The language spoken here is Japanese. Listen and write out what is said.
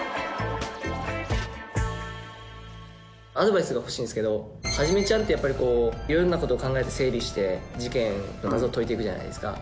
アドバイスが欲しいんですけどはじめちゃんってやっぱりいろんなことを考えて整理して事件の謎を解いて行くじゃないですか。